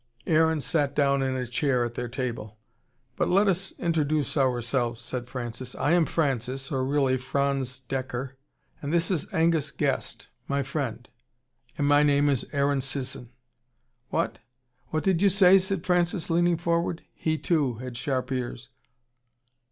Aaron sat down in a chair at their table. "But let us introduce ourselves," said Francis. "I am Francis or really Franz Dekker And this is Angus Guest, my friend." "And my name is Aaron Sisson." "What! What did you say?" said Francis, leaning forward. He, too, had sharp ears.